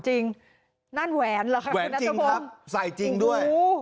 แหวนจริงครับใส่จริงด้วย